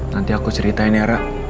nanti aku ceritain ya ra